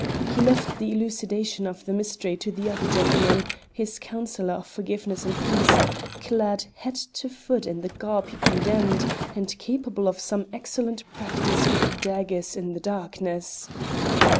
He left the elucidation of the mystery to the other gentleman, this counsellor of forgiveness and peace, clad head to foot in the garb he contemned, and capable of some excellent practice with daggers in the darkness.